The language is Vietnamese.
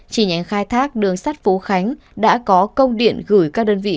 chỉ nhánh khai thác đường sắt phú khánh đã có công điện gửi các đơn vị